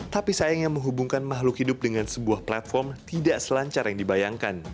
tapi sayangnya menghubungkan makhluk hidup dengan sebuah platform tidak selancar yang dibayangkan